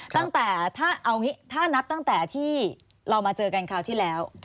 ตั้งแต่ถ้าเอางี้ถ้านับตั้งแต่ที่เรามาเจอกันคราวที่แล้ว